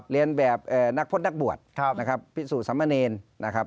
เรียนแบบนักพจน์นักบวชนะครับพิสูจนสมเนรนะครับ